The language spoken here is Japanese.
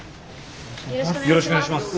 よろしくお願いします。